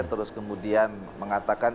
terus kemudian mengatakan